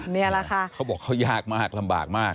นี่แหละค่ะเขาบอกเขายากมากลำบากมาก